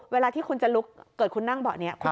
เวลาที่คุณจะลุกเกิดคุณนั่งเบาะนี้